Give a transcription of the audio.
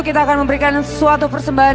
kita akan memberikan suatu persembahan